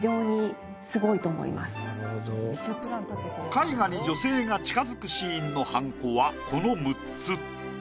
絵画に女性が近づくシーンのはんこはこの６つ。